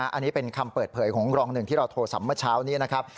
อันนี้เป็นคำเปิดเผยของรองหนึ่งที่เราโทรสำเมื่อเช้านี้นะครับ